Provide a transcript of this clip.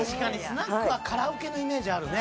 スナックはカラオケのイメージあるね。